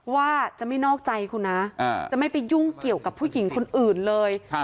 ว่าจะไม่นอกใจคุณนะจะไม่ไปยุ่งเกี่ยวกับผู้หญิงคนอื่นเลย